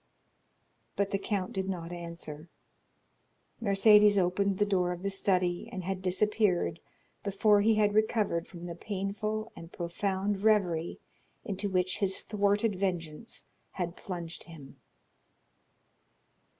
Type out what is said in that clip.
But the count did not answer. Mercédès opened the door of the study and had disappeared before he had recovered from the painful and profound reverie into which his thwarted vengeance had plunged him.